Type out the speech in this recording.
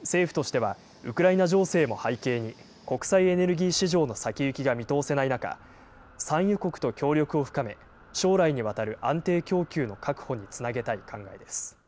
政府としてはウクライナ情勢も背景に、国際エネルギー市場の先行きが見通せない中、産油国と協力を深め、将来にわたる安定供給の確保につなげたい考えです。